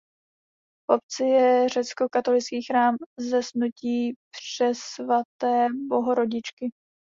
V obci je řeckokatolický chrám Zesnutí Přesvaté Bohorodičky.